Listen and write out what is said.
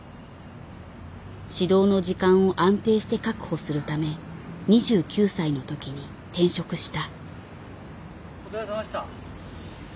指導の時間を安定して確保するため２９歳の時に転職した。